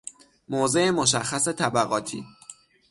موضع مشخص طبقاتی